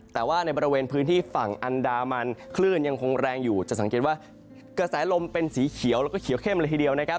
แต่ว่าในบริเวณพื้นที่ฝั่งอันดามันคลื่นยังคงแรงอยู่จะสังเกตว่ากระแสลมเป็นสีเขียวแล้วก็เขียวเข้มเลยทีเดียวนะครับ